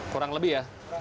kurang lebih ya